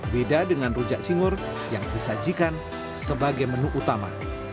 beda dengan rujak cingur yang disajikan sebagai menu utama